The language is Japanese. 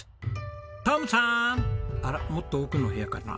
あらもっと奥の部屋かな？